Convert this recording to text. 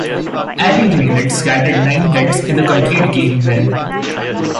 Allie Reynolds scattered nine hits in a complete-game win.